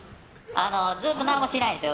ずっと何もしないんですよ。